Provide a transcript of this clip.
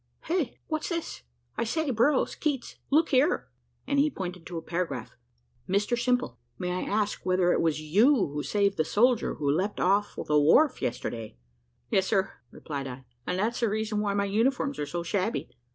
"Heh! what's this? I say, Burrows Keats, look here," and he pointed to a paragraph. "Mr Simple, may I ask whether it was you who saved the soldier who leaped off the wharf yesterday." "Yes, sir," replied I, "and that's the reason why my uniforms are so shabby.